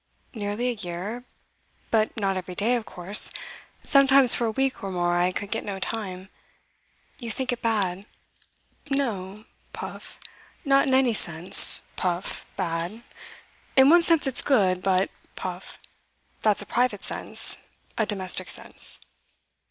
'Nearly a year. But not every day, of course. Sometimes for a week or more I could get no time. You think it bad?' 'No,' puff 'not in any sense' puff 'bad. In one sense, it's good. But' puff 'that's a private sense; a domestic sense.